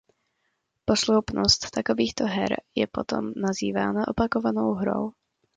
Posloupnost takovýchto her je potom nazývána opakovanou hrou.